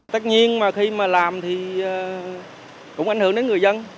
tất nhiên mà khi mà làm thì cũng ảnh hưởng đến người dân